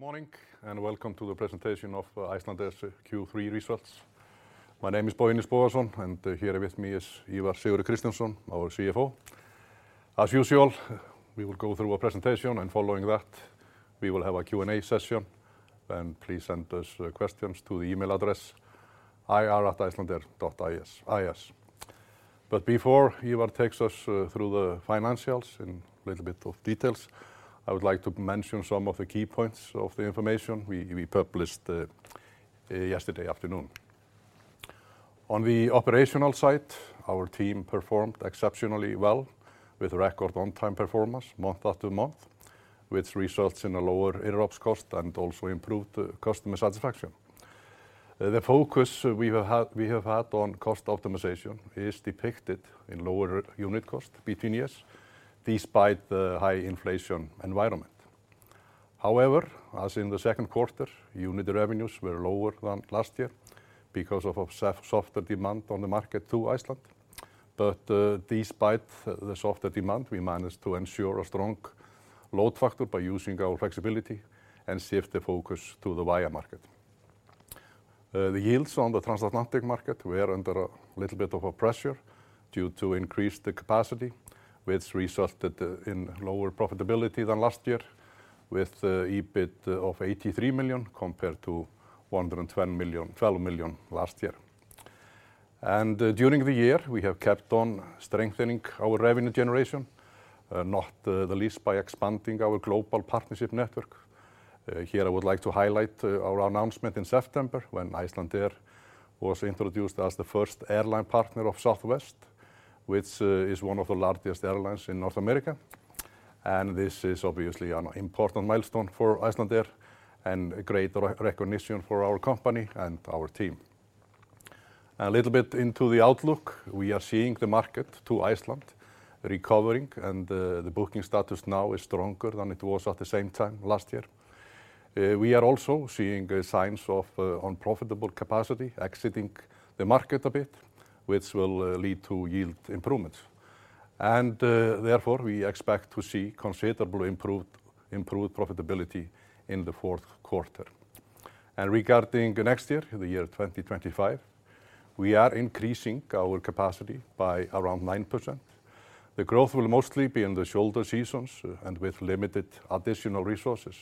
Good morning, and welcome to the presentation of Icelandair's Q3 results. My name is Bogi Bogason, and here with me is Ívar S. Kristjánsson, our CFO. As usual, we will go through a presentation, and following that, we will have a Q&A session, and please send us questions to the email address ir@icelandair.is. But before Ívar takes us through the financials in little bit of details, I would like to mention some of the key points of the information we published yesterday afternoon. On the operational side, our team performed exceptionally well, with record on-time performance month after month, which results in a lower interruption cost and also improved customer satisfaction. The focus we have had on cost optimization is depicted in lower unit cost between years, despite the high inflation environment. However, as in the second quarter, unit revenues were lower than last year because of softer demand on the market to Iceland. But, despite the softer demand, we managed to ensure a strong load factor by using our flexibility and shift the focus to the via market. The yields on the transatlantic market were under a little bit of a pressure due to increased capacity, which resulted in lower profitability than last year, with EBIT of $83 million compared to $112 million last year. And, during the year, we have kept on strengthening our revenue generation, not the least by expanding our global partnership network. Here I would like to highlight our announcement in September, when Icelandair was introduced as the first airline partner of Southwest, which is one of the largest airlines in North America. This is obviously an important milestone for Icelandair and a great re-recognition for our company and our team. A little bit into the outlook. We are seeing the market to Iceland recovering, and the booking status now is stronger than it was at the same time last year. We are also seeing signs of unprofitable capacity exiting the market a bit, which will lead to yield improvements. Therefore, we expect to see considerably improved profitability in the fourth quarter. Regarding next year, the year 2025, we are increasing our capacity by around 9%. The growth will mostly be in the shoulder seasons, and with limited additional resources,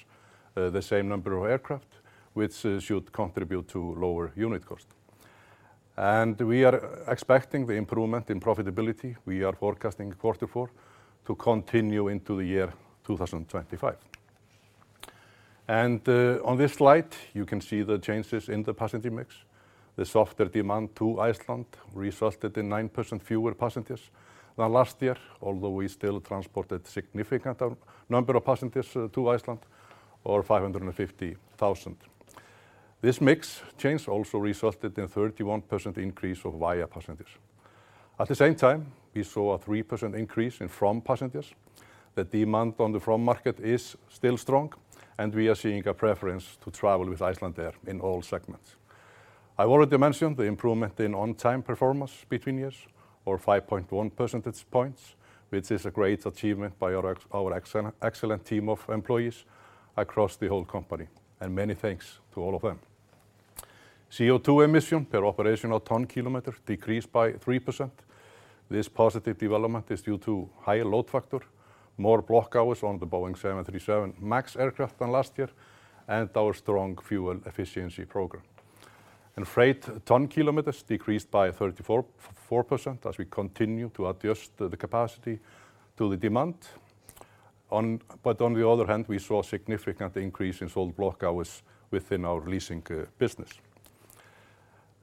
the same number of aircraft, which should contribute to lower unit cost. We are expecting the improvement in profitability. We are forecasting quarter four to continue into the year 2025. And, on this slide, you can see the changes in the passenger mix. The softer demand to Iceland resulted in 9% fewer passengers than last year, although we still transported significant number of passengers to Iceland, or 550,000. This mix change also resulted in a 31% increase of via passengers. At the same time, we saw a 3% increase in from passengers. The demand on the from market is still strong, and we are seeing a preference to travel with Icelandair in all segments. I've already mentioned the improvement in on-time performance between years, or 5.1 percentage points, which is a great achievement by our excellent team of employees across the whole company, and many thanks to all of them. CO2 emission per operational ton kilometer decreased by 3%. This positive development is due to higher load factor, more block hours on the Boeing 737 MAX aircraft than last year, and our strong fuel efficiency program. And freight ton kilometers decreased by 34.4% as we continue to adjust the capacity to the demand. But on the other hand, we saw a significant increase in sold block hours within our leasing business.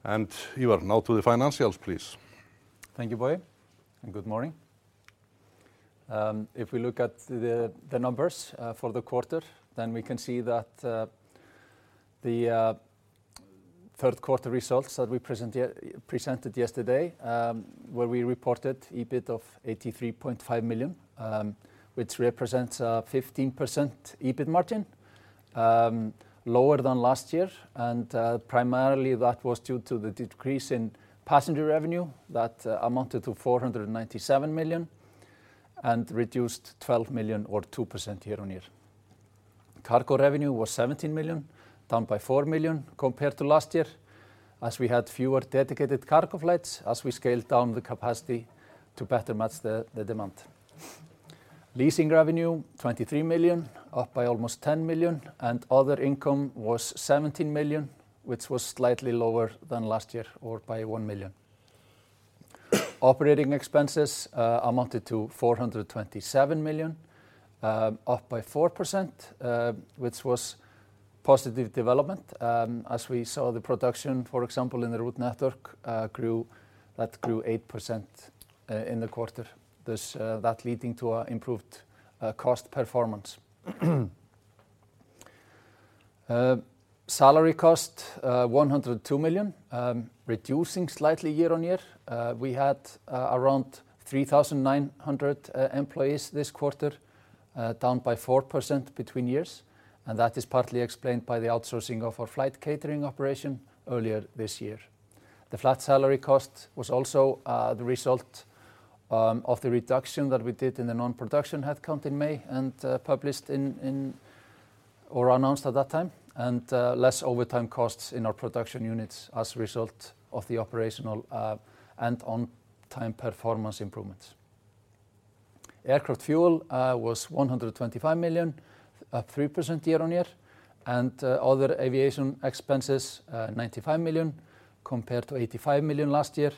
And, Ívar, now to the financials, please. Thank you, Bogi, and good morning. If we look at the numbers for the quarter, then we can see that the third quarter results that we presented yesterday, where we reported EBIT of $83.5 million, which represents a 15% EBIT margin, lower than last year, and primarily, that was due to the decrease in passenger revenue that amounted to $497 million and reduced $12 million, or 2%, year-on-year. Cargo revenue was $17 million, down by $4 million compared to last year, as we had fewer dedicated cargo flights as we scaled down the capacity to better match the demand. Leasing revenue, $23 million, up by almost $10 million, and other income was $17 million, which was slightly lower than last year, or by $1 million. Operating expenses amounted to $427 million, up by 4%, which was positive development as we saw the production, for example, in the route network, grew. That grew 8% in the quarter. This, that leading to an improved cost performance. Salary cost $102 million, reducing slightly year on year. We had around 3,900 employees this quarter, down by 4% between years, and that is partly explained by the outsourcing of our flight catering operation earlier this year. The flat salary cost was also the result of the reduction that we did in the non-production headcount in May, and published in or announced at that time, and less overtime costs in our production units as a result of the operational and on-time performance improvements. Aircraft fuel was $125 million, up 3% year-on-year, and other aviation expenses $95 million compared to $85 million last year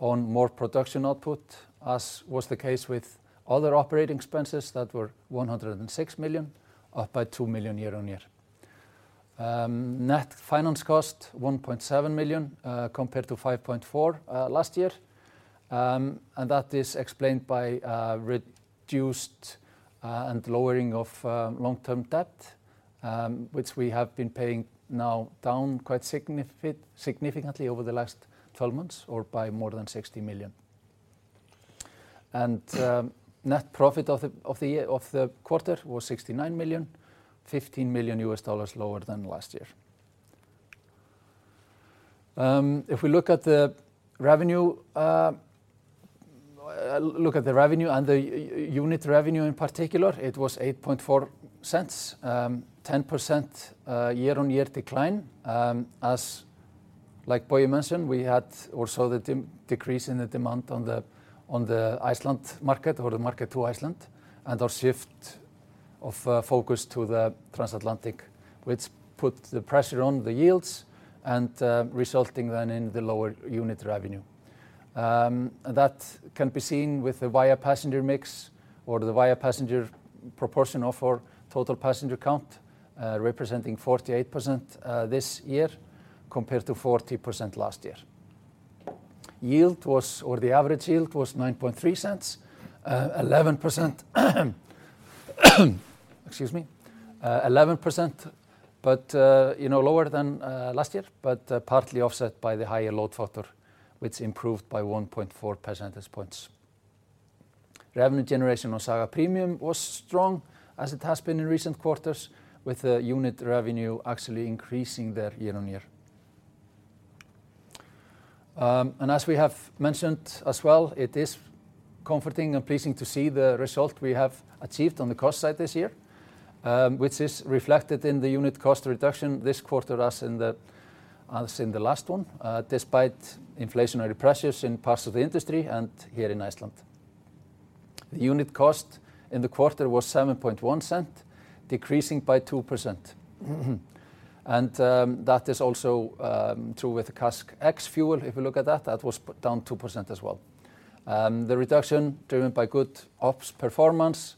on more production output, as was the case with other operating expenses that were $106 million, up by $2 million year-on-year. Net finance cost, $1.7 million, compared to $5.4 million last year. That is explained by reduced and lowering of long-term debt, which we have been paying now down quite significantly over the last 12 months, or by more than $60 million. Net profit of the quarter was $69 million, $15 million lower than last year. If we look at the revenue and the unit revenue in particular, it was 8.4 cents. 10% year-on-year decline. As like Bogi mentioned, we had also the decrease in the demand on the Iceland market or the market to Iceland, and our shift of focus to the transatlantic, which put the pressure on the yields and resulting then in the lower unit revenue. And that can be seen with the via passenger mix or the via passenger proportion of our total passenger count, representing 48%, this year, compared to 40% last year. Yield was, or the average yield was $0.093, 11%. Excuse me. 11%, but, you know, lower than last year, but partly offset by the higher load factor, which improved by 1.4 percentage points. Revenue generation on Saga Premium was strong, as it has been in recent quarters, with the unit revenue actually increasing there year-on-year. And as we have mentioned as well, it is comforting and pleasing to see the result we have achieved on the cost side this year, which is reflected in the unit cost reduction this quarter, as in the last one, despite inflationary pressures in parts of the industry and here in Iceland. The unit cost in the quarter was $0.071, decreasing by 2%. And that is also true with the CASK ex-fuel. If you look at that, that was down 2% as well. The reduction driven by good ops performance,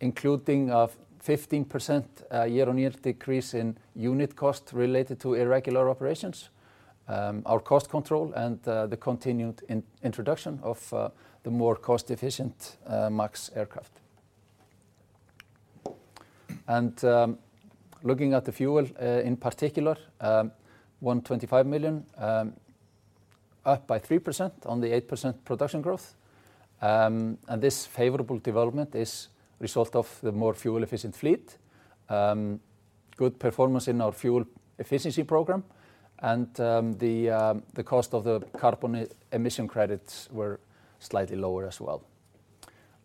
including a 15% year-on-year decrease in unit cost related to irregular operations, our cost control, and the continued introduction of the more cost-efficient MAX aircraft. Looking at the fuel, in particular, 125 million, up by 3% on the 8% production growth. This favorable development is result of the more fuel-efficient fleet, good performance in our fuel efficiency program, and the cost of the carbon emission credits were slightly lower as well.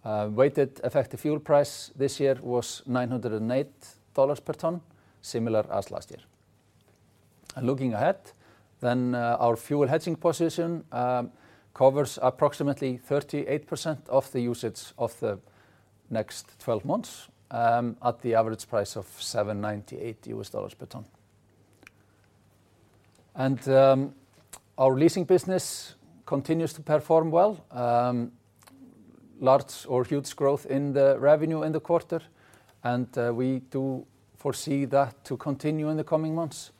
Weighted effective fuel price this year was $908 per ton, similar as last year. Looking ahead, then, our fuel hedging position covers approximately 38% of the usage of the next twelve months, at the average price of $798 per ton. Our leasing business continues to perform well. Large or huge growth in the revenue in the quarter, and we do foresee that to continue in the coming months.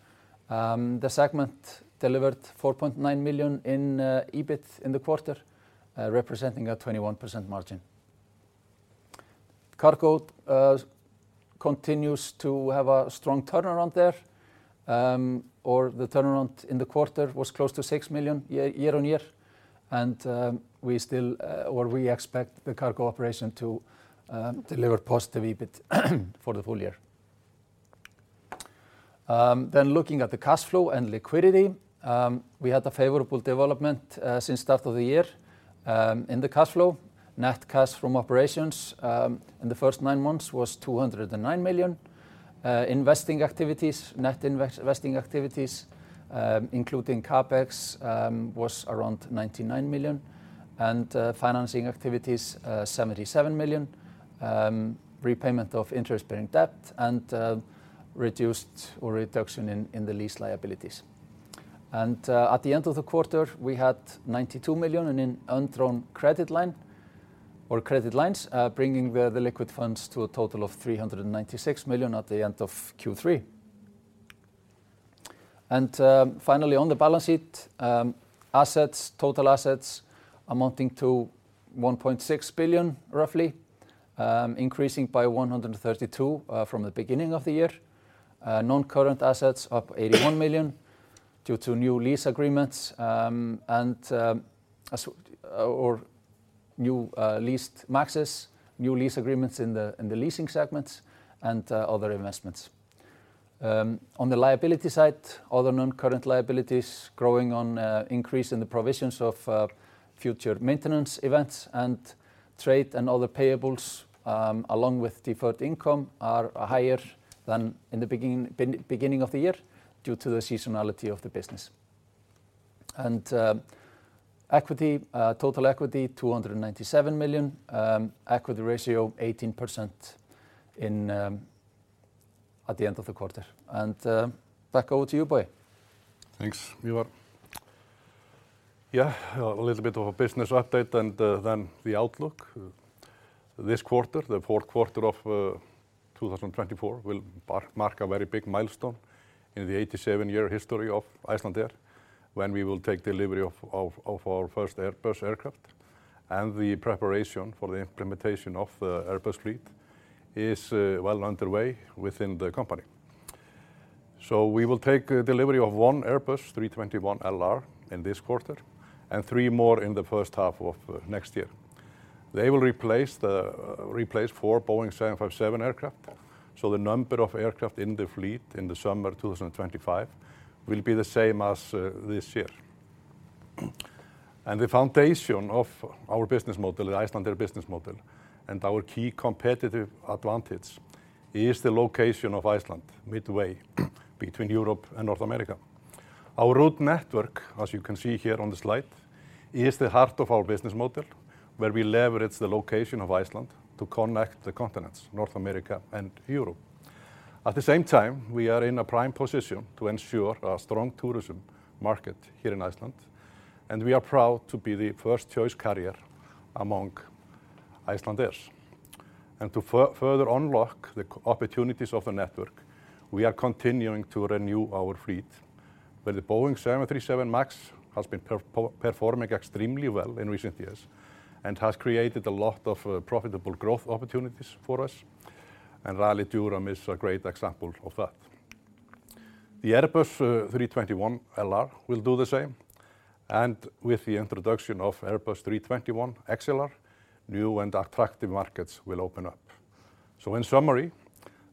The segment delivered $4.9 million in EBIT in the quarter, representing a 21% margin. Cargo continues to have a strong turnaround there. Or the turnaround in the quarter was close to $6 million year on year, and we still or we expect the cargo operation to deliver positive EBIT for the full year. Then looking at the cash flow and liquidity, we had a favorable development since start of the year in the cash flow. Net cash from operations in the first nine months was $209 million. Investing activities, net investing activities, including CapEx, was around $99 million, and financing activities, $77 million. Repayment of interest-bearing debt and reduced or reduction in the lease liabilities. At the end of the quarter, we had $92 million in undrawn credit line or credit lines, bringing the liquid funds to a total of $396 million at the end of Q3. Finally, on the balance sheet, assets, total assets amounting to $1.6 billion, roughly, increasing by $132 million from the beginning of the year. Non-current assets up $81 million due to new lease agreements, and new leased MAXes, new lease agreements in the leasing segments, and other investments. On the liability side, other non-current liabilities growing on increase in the provisions of future maintenance events and trade and other payables, along with deferred income, are higher than in the beginning of the year due to the seasonality of the business. Equity, total equity $297 million. Equity ratio 18% at the end of the quarter. Back over to you, Bogi. Thanks, Ívar. Yeah, a little bit of a business update, and then the outlook. This quarter, the fourth quarter of 2024, will mark a very big milestone in the 87 history of Icelandair, when we will take delivery of our first Airbus aircraft. And the preparation for the implementation of the Airbus fleet is well underway within the company. So we will take delivery of one Airbus A321LR in this quarter, and three more in the H1 of next year. They will replace four Boeing 757 aircraft, so the number of aircraft in the fleet in the summer of 2025 will be the same as this year. And the foundation of our business model, the Icelandair business model, and our key competitive advantage, is the location of Iceland, midway between Europe and North America. Our route network, as you can see here on the slide, is the heart of our business model, where we leverage the location of Iceland to connect the continents, North America and Europe. At the same time, we are in a prime position to ensure a strong tourism market here in Iceland, and we are proud to be the first-choice carrier among Icelanders. And to further unlock the opportunities of the network, we are continuing to renew our fleet. Where the Boeing 737 MAX has been performing extremely well in recent years and has created a lot of profitable growth opportunities for us, and Raleigh-Durham is a great example of that. The Airbus A321LR will do the same, and with the introduction of Airbus A321XLR, new and attractive markets will open up, so in summary,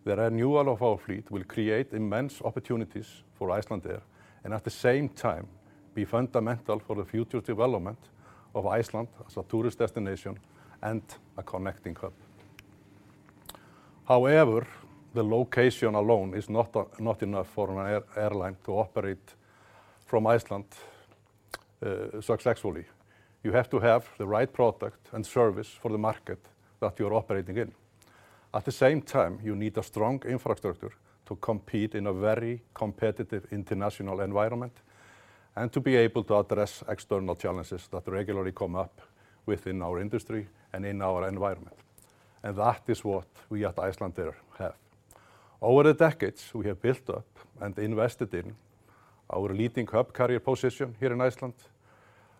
the renewal of our fleet will create immense opportunities for Icelandair and, at the same time, be fundamental for the future development of Iceland as a tourist destination and a connecting hub. However, the location alone is not enough for an airline to operate from Iceland successfully. You have to have the right product and service for the market that you are operating in. At the same time, you need a strong infrastructure to compete in a very competitive international environment and to be able to address external challenges that regularly come up within our industry and in our environment, and that is what we at Icelandair have. Over the decades, we have built up and invested in our leading hub carrier position here in Iceland,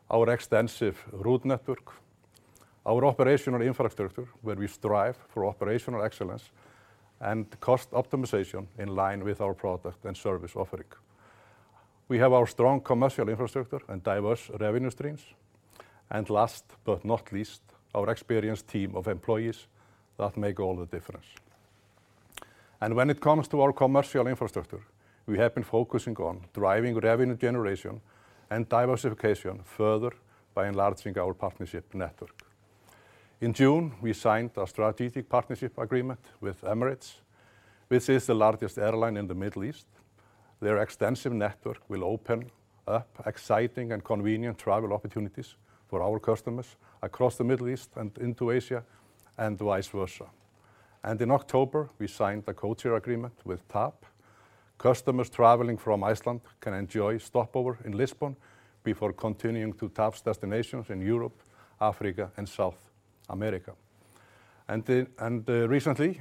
our extensive route network, our operational infrastructure, where we strive for operational excellence and cost optimization in line with our product and service offering. We have our strong commercial infrastructure and diverse revenue streams, and last but not least, our experienced team of employees that make all the difference, and when it comes to our commercial infrastructure, we have been focusing on driving revenue generation and diversification further by enlarging our partnership network. In June, we signed a strategic partnership agreement with Emirates, which is the largest airline in the Middle East. Their extensive network will open up exciting and convenient travel opportunities for our customers across the Middle East and into Asia, and vice versa, and in October, we signed a codeshare agreement with TAP. Customers traveling from Iceland can enjoy stopover in Lisbon before continuing to TAP's destinations in Europe, Africa, and South America. Recently,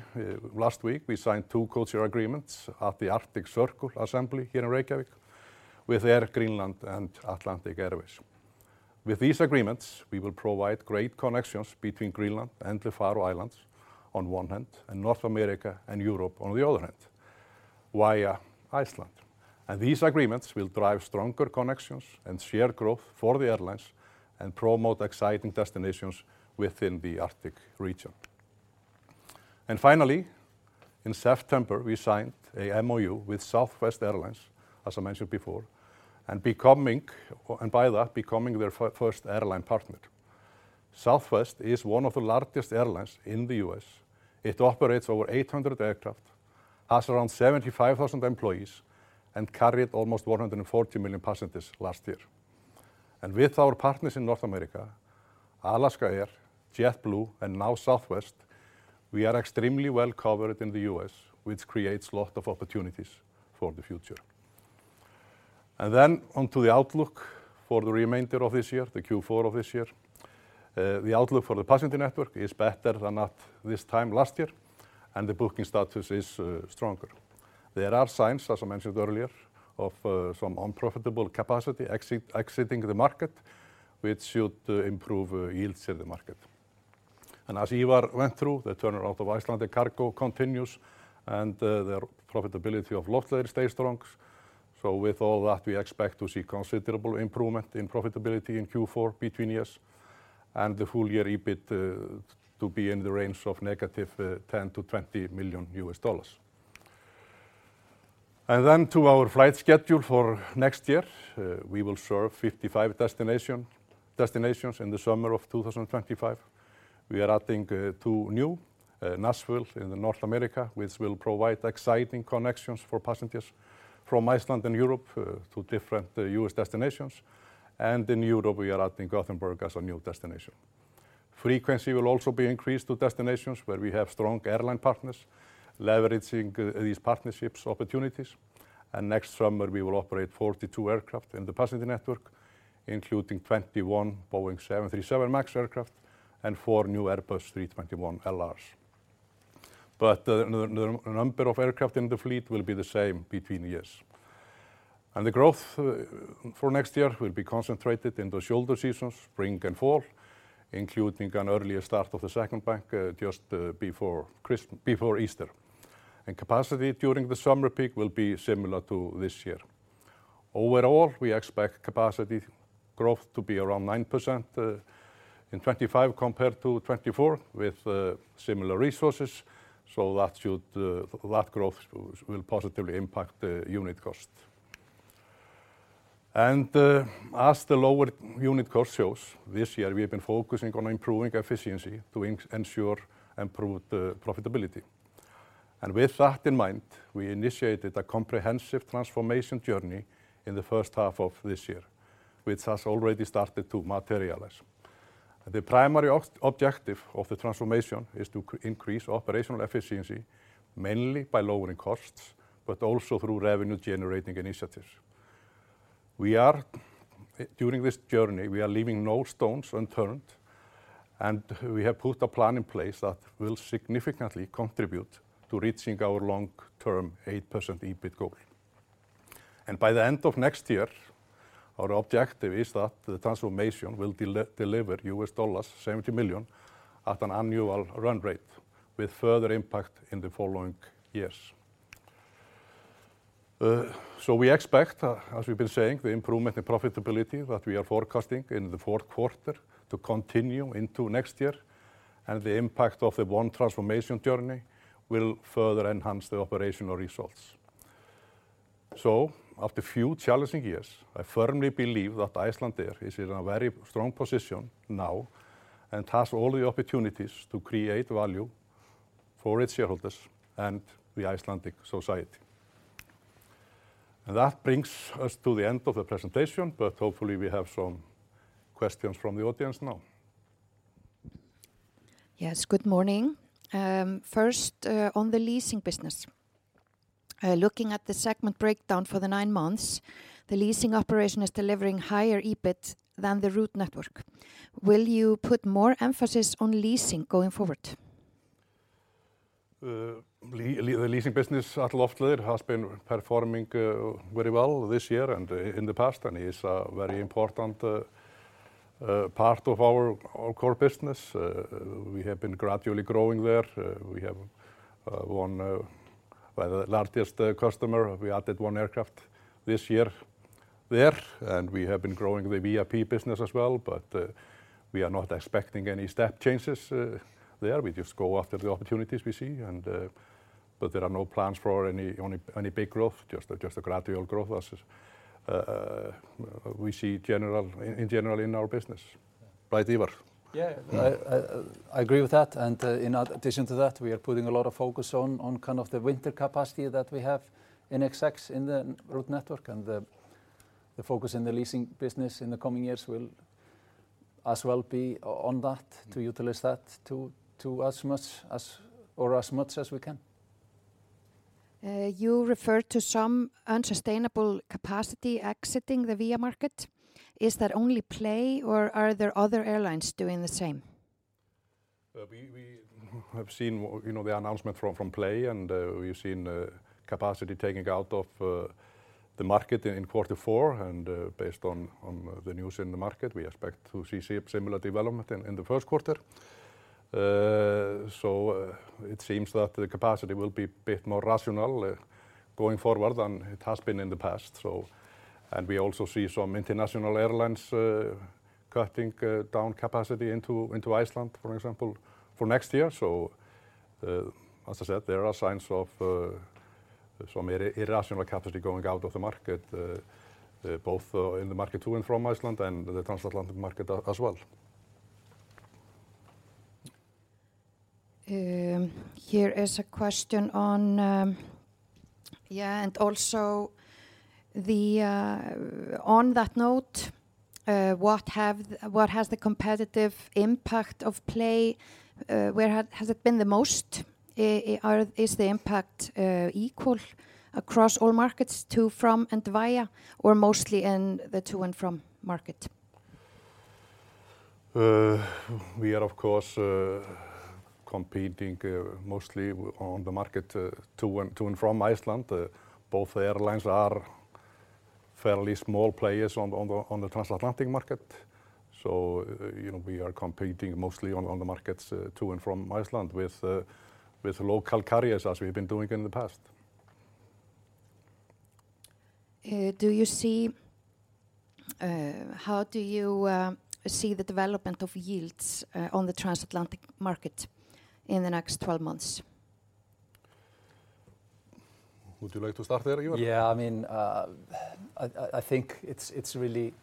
last week, we signed two codeshare agreements at the Arctic Circle Assembly here in Reykjavík with Air Greenland and Atlantic Airways. With these agreements, we will provide great connections between Greenland and the Faroe Islands on one hand, and North America and Europe on the other hand, via Iceland. These agreements will drive stronger connections and share growth for the airlines and promote exciting destinations within the Arctic region. Finally, in September, we signed a MoU with Southwest Airlines, as I mentioned before, and by that becoming their first airline partner. Southwest is one of the largest airlines in the US. It operates over 800 aircraft, has around 75,000 employees, and carried almost 140 million passengers last year. With our partners in North America, Alaska Airlines, JetBlue, and now Southwest Airlines, we are extremely well-covered in the U.S., which creates a lot of opportunities for the future. Then, onto the outlook for the remainder of this year, the Q4 of this year. The outlook for the passenger network is better than at this time last year, and the booking status is stronger. There are signs, as I mentioned earlier, of some unprofitable capacity exiting the market, which should improve yields in the market. As Ívar went through, the turnaround of Icelandair Cargo continues, in 2025 compared to 2024, with similar resources, so that should that growth will positively impact the unit cost. As the lower unit cost shows, this year we have been focusing on improving efficiency to ensure improved profitability. With that in mind, we initiated a comprehensive transformation journey in the first half of this year, which has already started to materialize. The primary objective of the transformation is to increase operational efficiency, mainly by lowering costs, but also through revenue-generating initiatives. During this journey, we are leaving no stones unturned, and we have put a plan in place that will significantly contribute to reaching our long-term 8% EBIT goal, and by the end of next year, our objective is that the transformation will deliver $70 million at an annual run rate, with further impact in the following years, so we expect, as we've been saying, the improvement in profitability that we are forecasting in the fourth quarter to continue into next year, and the impact of the one transformation journey will further enhance the operational results. So after few challenging years, I firmly believe that Icelandair is in a very strong position now, and has all the opportunities to create value for its shareholders and the Icelandic society. And that brings us to the end of the presentation, but hopefully we have some questions from the audience now. Yes, good morning. First, on the leasing business, looking at the segment breakdown for the nine months, the leasing operation is delivering higher EBIT than the route network. Will you put more emphasis on leasing going forward? The leasing business at Loftleiðir has been performing very well this year and in the past, and is a very important part of our core business. We have been gradually growing there. We have one, well, the largest customer, we added one aircraft this year there, and we have been growing the VIP business as well. But we are not expecting any step changes there. We just go after the opportunities we see, and. But there are no plans for any big growth, just a gradual growth as we see in general in our business. Right, Ívar? Yeah, I agree with that. And, in addition to that, we are putting a lot of focus on kind of the winter capacity that we have in excess in the route network. And the focus in the leasing business in the coming years will as well be on that, to utilize that as much as we can. You referred to some unsustainable capacity exiting the Via market. Is that only PLAY, or are there other airlines doing the same? We have seen, you know, the announcement from PLAY, and we've seen capacity taking out of the market in quarter four. Based on the news in the market, we expect to see similar development in the first quarter. It seems that the capacity will be a bit more rational going forward than it has been in the past, so. We also see some international airlines cutting down capacity into Iceland, for example, for next year. As I said, there are signs of some irrational capacity going out of the market both in the market to and from Iceland and the transatlantic market as well. Here is a question on... Yeah, and also, on that note, what has the competitive impact of PLAY been, where has it been the most? Is the impact equal across all markets, to, from, and via, or mostly in the to and from market? We are, of course, competing mostly on the market to and from Iceland. Both airlines are fairly small players on the transatlantic market. So, you know, we are competing mostly on the markets to and from Iceland with local carriers, as we've been doing in the past. How do you see the development of yields on the transatlantic market in the next 12 months? Would you like to start there, Ívar? Yeah, I mean, I think it's really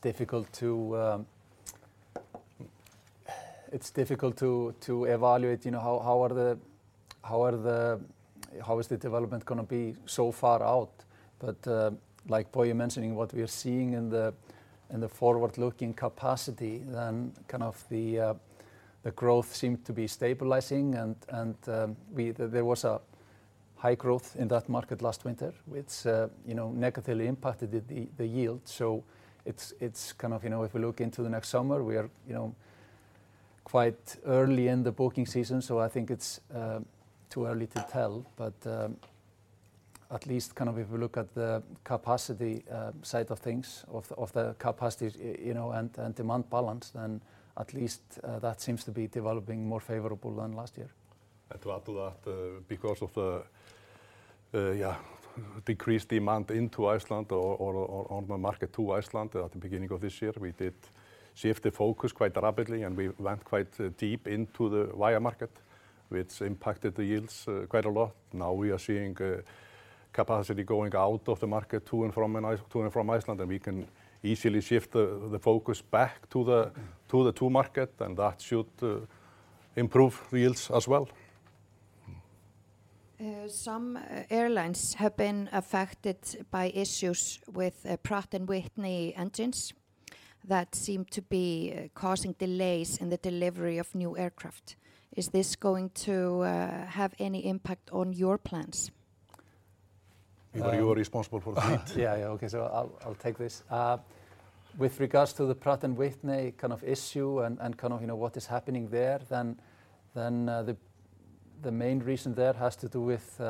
difficult to evaluate, you know, how the development is gonna be so far out? But, like Bogi mentioning what we are seeing in the forward-looking capacity, then kind of the growth seemed to be stabilizing and there was a high growth in that market last winter, which, you know, negatively impacted the yield. So it's kind of, you know, if we look into the next summer, we are quite early in the booking season, so I think it's too early to tell. At least kind of if we look at the capacity side of things, of the capacity, you know, and demand balance, then at least that seems to be developing more favorable than last year. And to add to that, because of the, yeah, decreased demand into Iceland or on the market to Iceland at the beginning of this year, we did shift the focus quite rapidly, and we went quite deep into the Via market, which impacted the yields quite a lot. Now, we are seeing capacity going out of the market to and from Iceland, and we can easily shift the focus back to the local market, and that should improve the yields as well. Some airlines have been affected by issues with Pratt & Whitney engines that seem to be causing delays in the delivery of new aircraft. Is this going to have any impact on your plans? Ívar, you are responsible for that. Yeah, yeah. Okay, so I'll take this. With regards to the Pratt & Whitney kind of issue and kind of, you know, what is happening there, the main reason there has to do with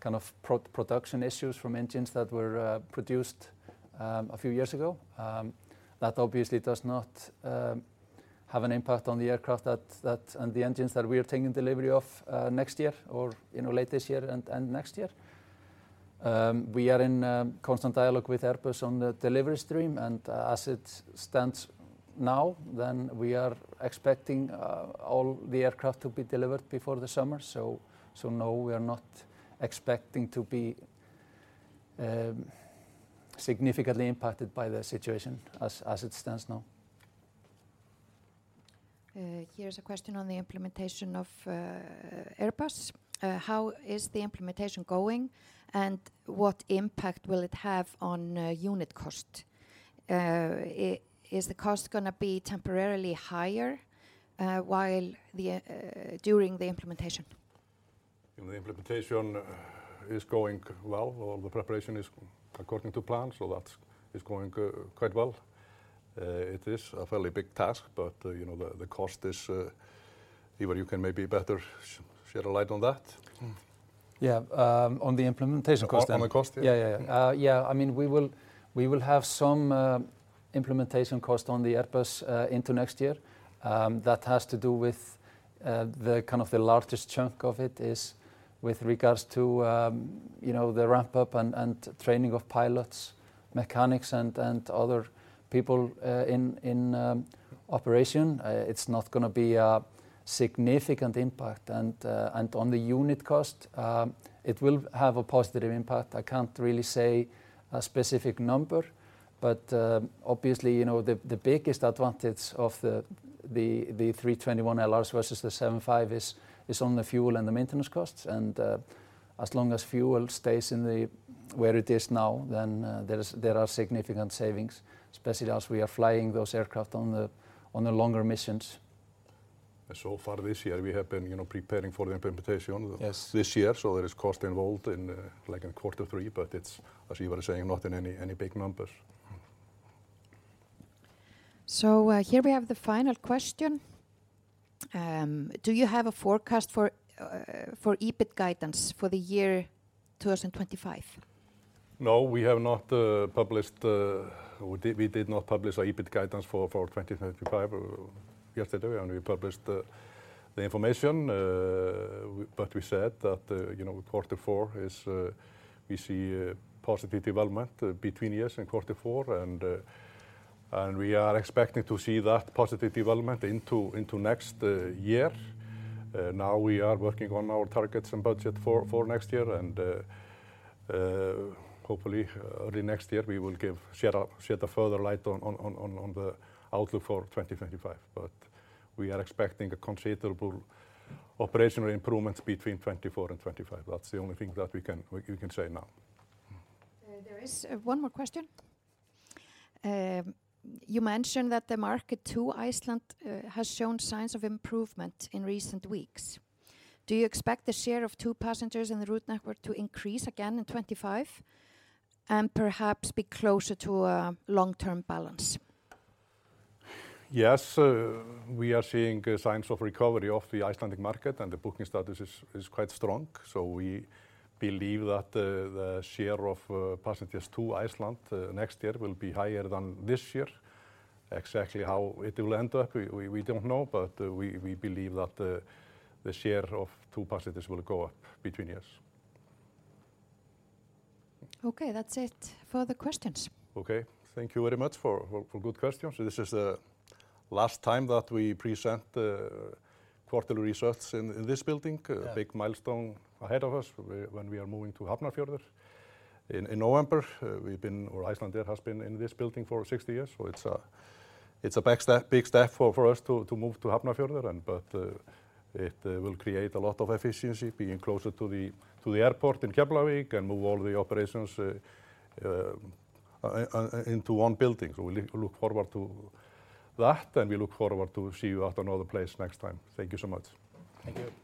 kind of production issues from engines that were produced a few years ago. That obviously does not have an impact on the aircraft that and the engines that we are taking delivery of next year, or, you know, late this year and next year. We are in constant dialogue with Airbus on the delivery stream, and as it stands now, then we are expecting all the aircraft to be delivered before the summer. So no, we are not expecting to be significantly impacted by the situation as it stands now. Here is a question on the implementation of Airbus. How is the implementation going, and what impact will it have on unit cost? Is the cost gonna be temporarily higher during the implementation? You know, the implementation is going well. All the preparation is according to plan, so that is going quite well. It is a fairly big task, but you know, the cost is, Ívar, you can maybe better shed a light on that. Yeah, on the implementation cost, then? On the cost, yeah. Yeah, yeah, yeah. Yeah, I mean, we will have some implementation cost on the Airbus into next year. That has to do with the kind of the largest chunk of it is with regards to you know, the ramp-up and training of pilots, mechanics, and other people in operation. It's not gonna be a significant impact, and on the unit cost it will have a positive impact. I can't really say a specific number, but obviously, you know, the biggest advantage of the three twenty-one LR versus the seven five is on the fuel and the maintenance costs. And as long as fuel stays where it is now, then there are significant savings, especially as we are flying those aircraft on the longer missions. So far this year, we have been, you know, preparing for the implementation- Yes... this year, so there is cost involved in, like in quarter three, but it's, as you were saying, not in any big numbers. Here we have the final question. Do you have a forecast for EBIT guidance for the year two thousand twenty-five? No, we have not published. We did not publish an EBIT guidance for twenty twenty-five yesterday, when we published the information. But we said that, you know, quarter four is we see a positive development between years and quarter four, and we are expecting to see that positive development into next year. Now we are working on our targets and budget for next year, and hopefully early next year, we will shed a further light on the outlook for twenty twenty-five. But we are expecting a considerable operational improvements between 2024 and 2025. That's the only thing that we can say now. There is one more question. You mentioned that the market to Iceland has shown signs of improvement in recent weeks. Do you expect the share of through passengers in the route network to increase again in 2025 and perhaps be closer to a long-term balance? Yes, we are seeing signs of recovery of the Icelandic market, and the booking status is quite strong, so we believe that the share of passengers to Iceland next year will be higher than this year. Exactly how it will end up, we don't know, but we believe that the share of to passengers will go up between years. Okay, that's it for the questions. Okay, thank you very much for good questions. This is the last time that we present quarterly results in this building. Yeah. A big milestone ahead of us when we are moving to Hafnarfjörður in November. We've been, or Icelandair has been in this building for sixty years, so it's a big step for us to move to Hafnarfjörður, but it will create a lot of efficiency, being closer to the airport in Keflavík and move all the operations into one building. So we look forward to that, and we look forward to see you at another place next time. Thank you so much. Thank you.